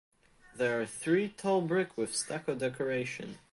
There are three tall brick with stucco decoration.